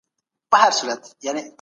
زه هر وخت له بدو خبرو ځان ساتم.